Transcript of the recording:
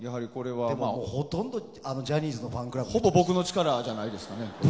でも、ほとんどジャニーズのほぼ僕の力じゃないですかね。